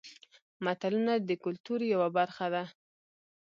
متلونه د کولتور یوه برخه ده